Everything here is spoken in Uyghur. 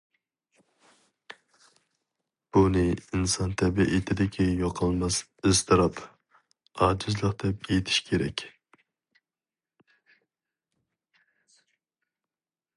بۇنى ئىنسان تەبىئىتىدىكى يوقالماس ئىزتىراپ، ئاجىزلىق دەپ ئېيتىش كېرەك.